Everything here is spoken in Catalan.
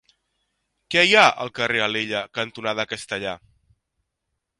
Què hi ha al carrer Alella cantonada Castellar?